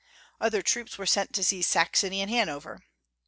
Other troops were sent to seize Saxony and Hanover.